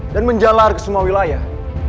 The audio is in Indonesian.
dan menjalar ke semua wilayah